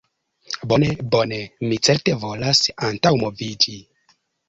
"Bone, bone. Mi certe volas antaŭmoviĝi."